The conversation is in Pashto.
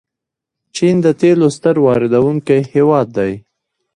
چین د تیلو ستر واردونکی هیواد دی.